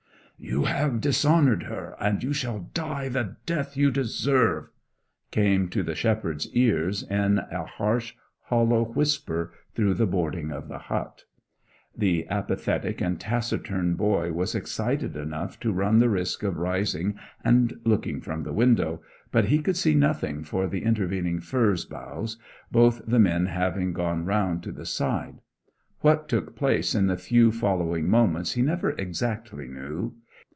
'You have dishonoured her, and you shall die the death you deserve!' came to the shepherd's ears, in a harsh, hollow whisper through the boarding of the hut. The apathetic and taciturn boy was excited enough to run the risk of rising and looking from the window, but he could see nothing for the intervening furze boughs, both the men having gone round to the side. What took place in the few following moments he never exactly knew.